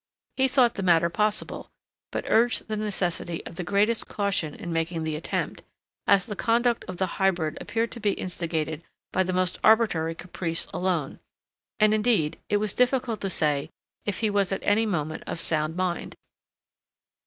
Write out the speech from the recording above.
He thought the matter possible, but urged the necessity of the greatest caution in making the attempt, as the conduct of the hybrid appeared to be instigated by the most arbitrary caprice alone; and, indeed, it was difficult to say if he was at any moment of sound mind.